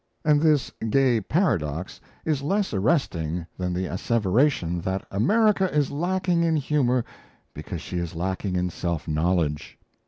And this gay paradox is less arresting than the asseveration that America is lacking in humour because she is lacking in self knowledge.